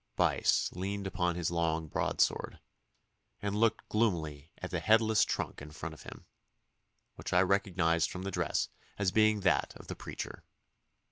Buyse leaned upon his long broadsword, and looked gloomily at a headless trunk in front of him, which I recognised from the dress as being that of the preacher.